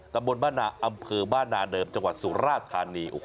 ตำบลบ้านนาอำเภอบ้านนาเดิมจังหวัดสุราธานี